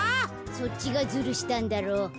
そっちがずるしたんだろ。